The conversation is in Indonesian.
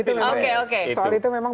dan pilpres soal itu memang